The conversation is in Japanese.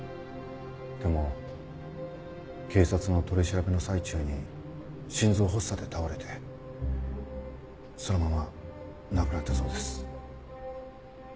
でも警察の取り調べの最中に心臓発作で倒れてそのまま亡くなったそうです。